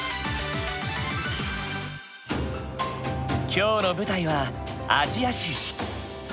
今日の舞台はアジア州。